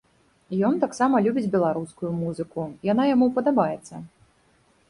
Ён таксама любіць беларускую музыку, яна яму падабаецца.